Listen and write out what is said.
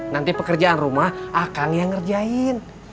nanti pekerjaan rumah akan yang ngerjain